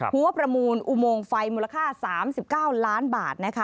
หัวประมูลอุโมงไฟมูลค่า๓๙ล้านบาทนะคะ